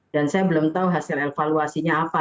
dan saya belum tahu hasil evaluasinya apa